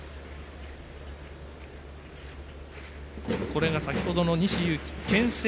これが先ほどの西勇輝けん制